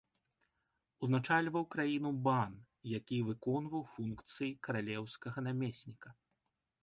Узначальваў краіну бан, які выконваў функцыі каралеўскага намесніка.